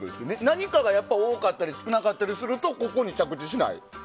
何かがやっぱり多かったり少なかったりするとここに着地しないと。